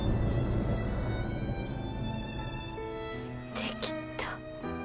できた。